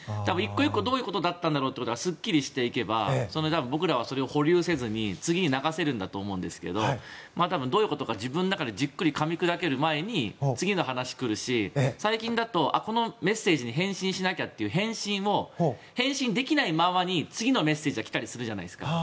１個１個どういうことだったんだろうってことがすっきりしていけば僕らはそれを保留せずに次に流せるんだと思うんですけど多分どういうことか自分の中でかみ砕ける前に次の話が来るし最近だとこのメッセージに返信しなきゃっていう返信を返信できないままに次のメッセージが来たりするじゃないですか。